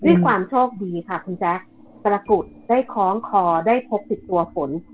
ด้วยความโชคดีค่ะคุณแจ๊กประกุฎได้ค้องคอได้พบ๑๐ตัวมัน